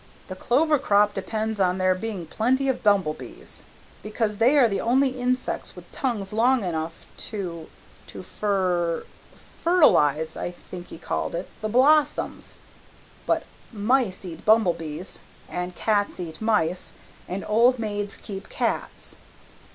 The clover crop depends on there being plenty of bumble bees, because they are the only insects with tongues long enough to to fer fertilize I think he called it the blossoms. But mice eat bumble bees and cats eat mice and old maids keep cats.